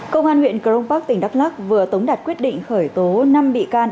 công an huyện crong park tỉnh đắk lắc vừa tống đạt quyết định khởi tố năm bị can